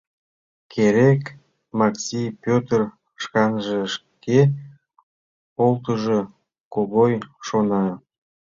Керек, Макси Пӧтыр шканже шке олтыжо, — Когой шона.